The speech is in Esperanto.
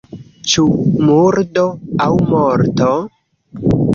Ĉu murdo aŭ morto?